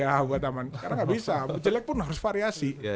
karena gak bisa jelek pun harus variasi